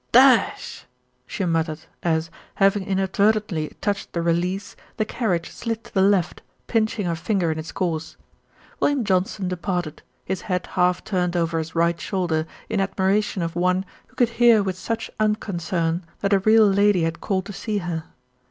"Da sh!" she muttered as, having inadvertently touched the release, the carriage slid to the left, pinching her finger in its course. William Johnson departed, his head half turned over his right shoulder in admiration of one who could hear with such unconcern that a real lady had called to see her.